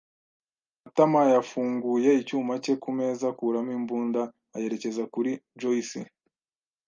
Matama yafunguye icyuma cye kumeza, akuramo imbunda, ayerekeza kuri Joyci.